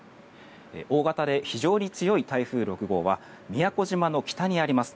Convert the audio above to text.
大型で非常に強い台風６号は宮古島の北にあります。